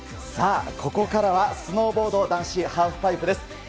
さあ、ここからはスノーボード男子ハーフパイプです。